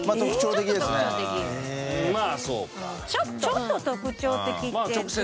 ちょっと特徴的って。